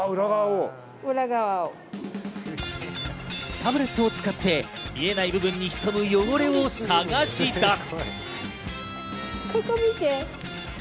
タブレットを使って見えない部分に潜む汚れを探し出す。